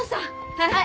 はいはい。